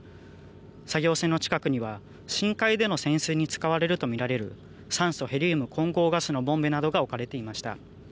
作業船の近くには深海での潜水に使われると見られる酸素・ヘリウム混合ガスのボンベなどが置かれていました。